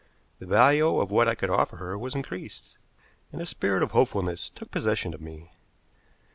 The value of what I could offer her was increased, and a spirit of hopefulness took possession of me.